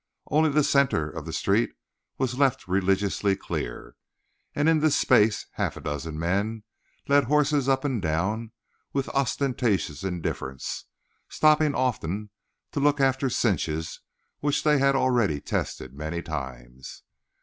Only the center of the street was left religiously clear, and in this space half a dozen men led horses up and down with ostentatious indifference, stopping often to look after cinches which they had already tested many times.